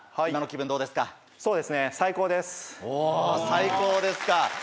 最高ですか。